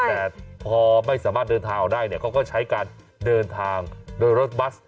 แต่พอไม่สามารถเดินทางออกได้เนี่ยเขาก็ใช้การเดินทางโดยรถบัส